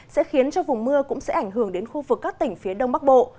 sẽ khiến cho vùng mưa cũng sẽ ảnh hưởng đến khu vực các tỉnh phía đông bắc bộ